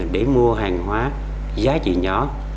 để mua hàng hóa giá trị nhỏ